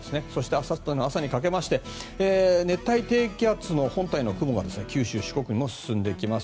あさっての朝にかけて熱帯低気圧の本体の雲が九州、四国にも進んできます。